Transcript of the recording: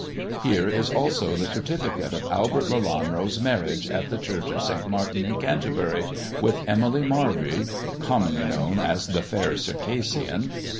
Here is also the certificate of Albert Lelanro's marriage at the Church of St. Martin in Canterbury, with Emily Marby, commonly known as the Fair Circassian.